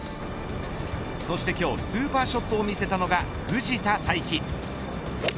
そして今日スーパーショットを見せたのが藤田さいき。